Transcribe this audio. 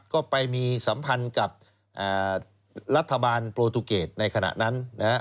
ก็ไปมีสัมพันธ์กับรัฐบาลโปรตูเกตในขณะนั้น